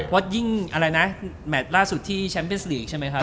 ว่ายิ่งแมทล่าสุดที่แชมป์เบียนสลีกใช่ไหมคะ